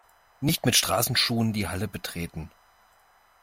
Nicht mit Straßenschuhen die Halle betreten!